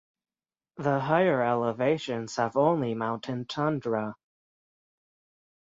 The higher elevations have only mountain tundra.